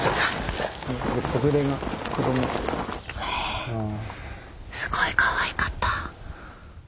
えすごいかわいかった。